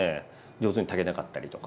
上手に炊けなかったりとか。